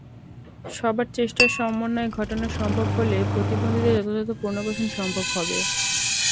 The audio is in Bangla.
সবার চেষ্টার সমন্বয় ঘটানো সম্ভব হলে প্রতিবন্ধীদের যথাযথ পুনর্বাসন সম্ভব হবে।